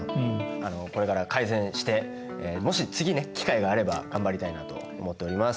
あのこれから改善してもし次ね機会があれば頑張りたいなと思っております。